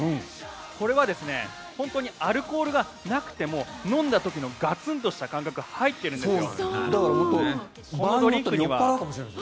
これは本当にアルコールがなくても飲んだ時のガツンとした感覚が入っているんです。